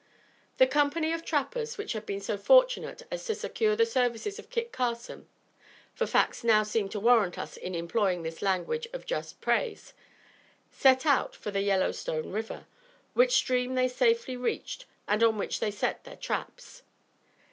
The company of trappers which had been so fortunate as to secure the services of Kit Carson, for facts seem now to warrant us in employing this language of just praise, set out for the Yellow Stone River, which stream they safely reached, and on which they set their traps.